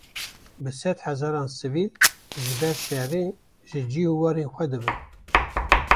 Bi sed hezaran sivîl, ji ber şerê, ji cih û warên xwe dibin